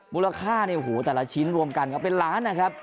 มูลค่าเนี่ยโอ้โหแต่ละชิ้นรวมกันก็เป็นล้านนะครับ